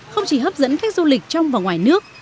không chỉ hấp dẫn khách du lịch trong và ngoài nước